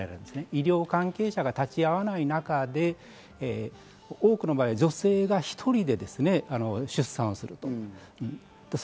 医療関係者が立ち会わない中で、多くの場合は女性が一人で出産するということです。